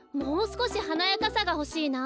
すこしはなやかさがほしいな。